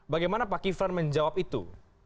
bagaimana pak kiflan menjawab itu